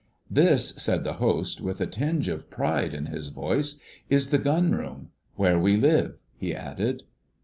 "This," said the host, with a tinge of pride in his voice, "is the Gunroom—where we live," he added.